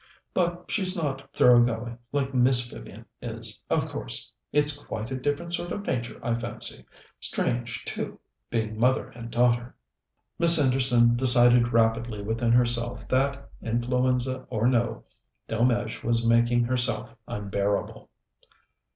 But she's not thoroughgoing, like Miss Vivian is, of course. It's quite a different sort of nature, I fancy. Strange, too, being mother and daughter." Miss Henderson decided rapidly within herself that, influenza or no, Delmege was making herself unbearable.